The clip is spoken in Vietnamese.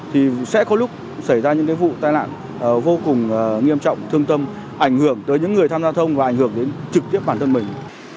thì sẽ có lúc xảy ra những vụ tai nạn vô cùng nghiêm trọng thương tâm ảnh hưởng tới những người tham gia thông và ảnh hưởng đến trực tiếp bản thân mình